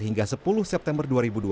hingga sepuluh september dua ribu dua puluh